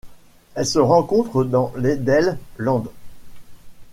Elle se rencontre dans l'Edel Land.